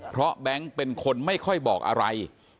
เพราะแบงค์เป็นคนไม่ค่อยบอกอะไร